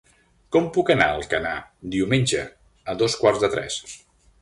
Com puc anar a Alcanar diumenge a dos quarts de tres?